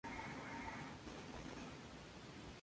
El tema "Cara de acuarela" es original del grupo.